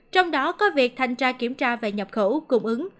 trong đó có việc thanh tra kiểm tra về nhập khẩu cung ứng